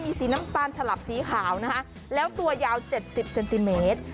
มีสีน้ำตาลฉลับสีขาวนะคะแล้วตัวยาว๗๐เซนติเมตร